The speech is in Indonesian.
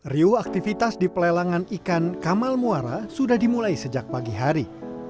riu aktivitas di pelelangan ikan kamal muara sudah dimulai sejak pagi hari